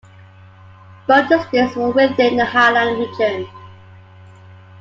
Both districts were within the Highland region.